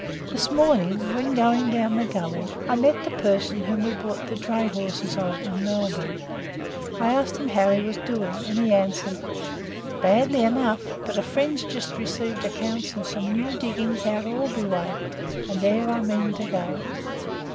"This morning, when going down the gully, I met the person whom we bought the dray horses of in Melbourne. I asked him how he was doing, and he answered, 'badly enough; but a friend's just received accounts of some new diggings out Albury way, and there I mean to go.'